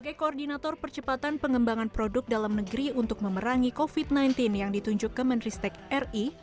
sebagai koordinator percepatan pengembangan produk dalam negeri untuk memerangi covid sembilan belas yang ditunjuk ke menteri stek ri